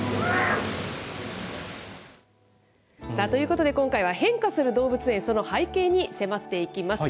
ということで、今回は変化する動物園、その背景に迫っていきます。